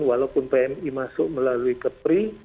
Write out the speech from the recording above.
walaupun pmi masuk melalui kepri